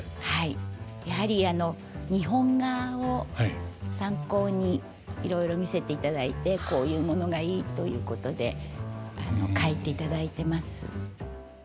はいやはり日本画を参考にいろいろ見せていただいて「こういうものがいい」ということで描いていただいてます。